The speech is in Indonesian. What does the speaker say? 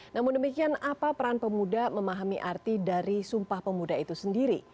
namun demikian apa peran pemuda memahami arti dari sumpah pemuda itu sendiri